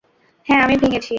হ্যাঁ আমি ভেঙেছি।